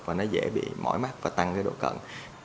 và nó dễ bị mỏi mắt và tăng cái độ cận